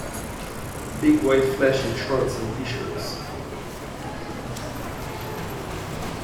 Big white flesh in shorts and T-shirts.